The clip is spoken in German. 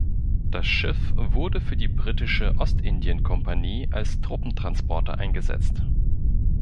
Das Schiff wurde für die Britische Ostindien-Kompanie als Truppentransporter eingesetzt.